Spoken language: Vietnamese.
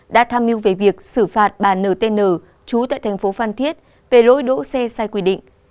đã tham mưu về việc xử phạt bản ntn trú tại tp phan thiết về lỗi đỗ xe sai quy định